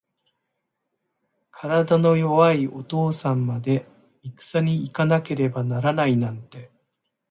体の弱いお父さんまで、いくさに行かなければならないなんて。